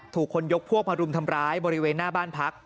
ถูกคนยกพวกมารุมทำร้ายบริเวณหน้าบ้านพัก